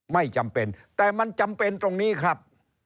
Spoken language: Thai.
ไม่จำเป็นแต่มันจำเป็นตรงนี้ครับ